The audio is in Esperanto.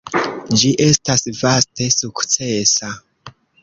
Ĝi estas vaste sukcesa.